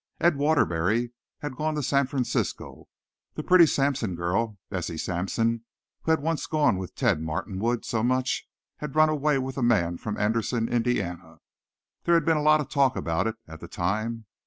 Ed Waterbury had gone to San Francisco. The pretty Sampson girl, Bessie Sampson, who had once gone with Ted Martinwood so much, had run away with a man from Anderson, Indiana. There had been a lot of talk about it at the time.